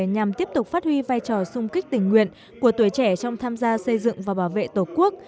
nhằm tiếp tục phát huy vai trò sung kích tình nguyện của tuổi trẻ trong tham gia xây dựng và bảo vệ tổ quốc